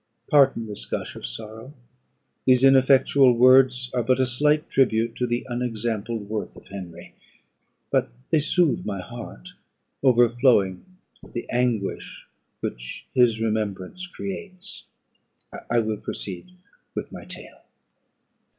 Pardon this gush of sorrow; these ineffectual words are but a slight tribute to the unexampled worth of Henry, but they soothe my heart, overflowing with the anguish which his remembrance creates. I will proceed with my tale.